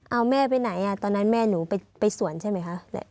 เอาแม่ไปไหนตอนนั้นแม่หนูไปสวนใช่ไหมคะ